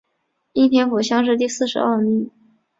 应天府乡试第四十二名。